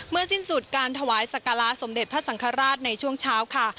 สิ้นสุดการถวายสักการะสมเด็จพระสังฆราชในช่วงเช้าค่ะ